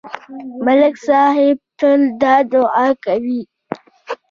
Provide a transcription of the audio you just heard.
ملک صاحب تل دا دعا کوي